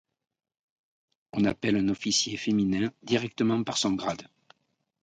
On appelle un officier féminin directement par son grade.